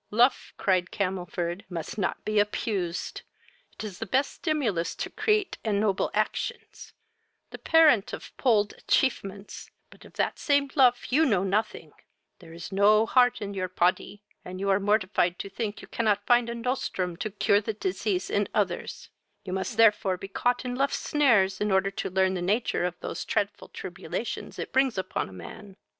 "Luf (cried Camelford) must not be apused; it is the best stimulus to crate and noble actions, the parent of pold atchievements; but of that same luf you know nothing: there is no heart in your pody, and you are mortified to think you cannot find a nostrum to cure the disease in others: you must therefore be caught in luf's snares, in order to learn the nature of those treadful tribulations it brings upon a man.